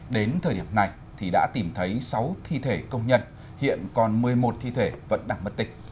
đến thời điểm này thì đã tìm thấy sáu thi thể công nhân hiện còn một mươi một thi thể vẫn đang mất tích